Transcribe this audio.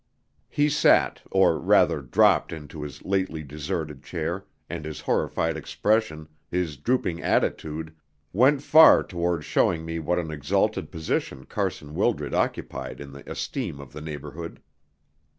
He sat, or rather dropped into his lately deserted chair, and his horrified expression, his drooping attitude, went far towards showing me what an exalted position Carson Wildred occupied in the esteem of the neighbourhood.